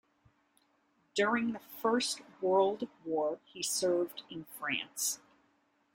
During the First World War, he served in France.